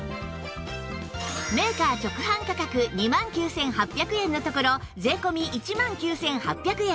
メーカー直販価格２万９８００円のところ税込１万９８００円